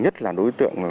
nhất là đối tượng